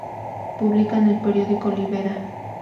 Publican el periódico Libera.